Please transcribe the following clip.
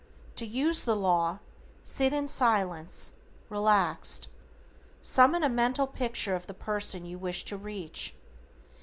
To use the law, sit in Silence, relaxed. Summon a mental picture of the person you wish to reach.